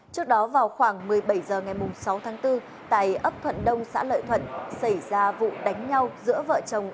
trước đó vào khoảng một mươi bảy h ngày sáu tháng bốn tại ấp thuận đông xã lợi thuận xảy ra vụ đánh nhau giữa vợ chồng